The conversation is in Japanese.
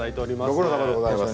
ご苦労さまでございます。